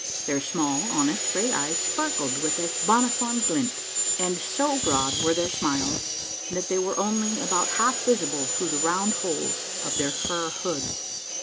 Their small, honest gray eyes sparkled with a boniform glint, and so broad were their smiles that they were only about half visible through the round holes of their fur hoods.